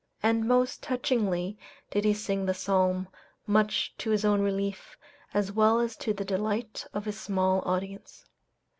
And most touchingly did he sing the psalm, much to his own relief, as well as to the delight of his small audience.